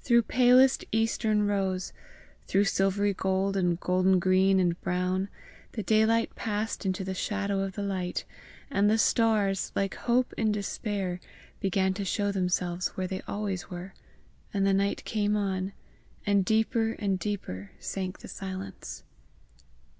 Through palest eastern rose, through silvery gold and golden green and brown, the daylight passed into the shadow of the light, and the stars, like hope in despair, began to show themselves where they always were, and the night came on, and deeper and deeper sank the silence.